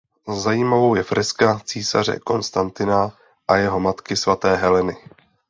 Zajímavou je freska císaře Konstantina a jeho matky svaté Heleny.